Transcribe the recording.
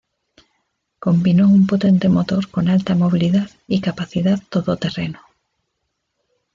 Combinó un potente motor con alta movilidad y capacidad todoterreno.